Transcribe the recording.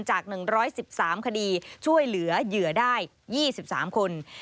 จาก๑๑๓คดีช่วยเหลือเหยื่อได้๒๓คน